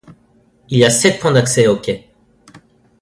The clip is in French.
Il y a sept point d'accès aux quai.